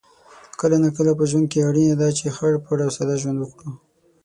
کله ناکله په ژوند کې اړینه ده چې خړ پړ او ساده ژوند وکړو